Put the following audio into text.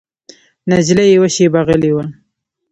نجلۍ یوه شېبه غلی وه.